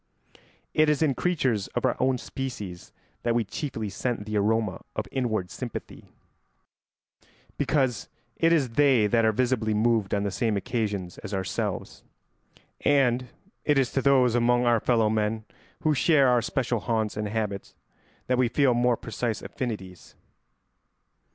It is in creatures of our own species that we chiefly scent the aroma of inward sympathy, because it is they that are visibly moved on the same occasions as ourselves; and it is to those among our fellow men who share our special haunts and habits that we feel more precise affinities.